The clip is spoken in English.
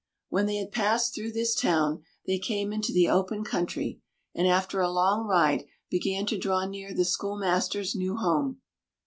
When they had passed through this town they came into the open country, and after a long ride began to draw near the schoolmaster's new home.